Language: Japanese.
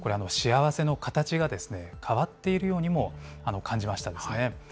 幸せの形が変わっているようにも感じましたですね。